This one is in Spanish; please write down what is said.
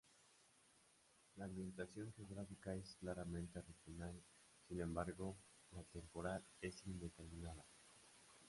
La ambientación geográfica es claramente regional, sin embargo, la temporal es indeterminada.